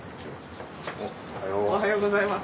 おはようございます。